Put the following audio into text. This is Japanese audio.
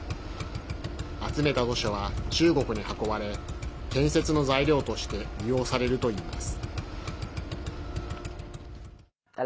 集めた土砂は中国に運ばれ建設の材料として利用されるといいます。